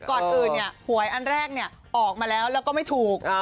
คุณผู้ชมคุณผ่วยอันแรกเนี่ยออกมาแล้วแล้วก็ไม่ถูก